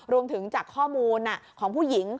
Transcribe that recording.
รวมถึงจากข้อมูลของผู้หญิง